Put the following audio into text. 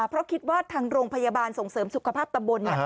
เพราะคิดว่าทางโรงพยาบาลส่งเสริมสุขภาพตำบล